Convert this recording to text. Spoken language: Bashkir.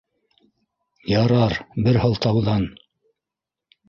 Ярар, бер һылтауҙан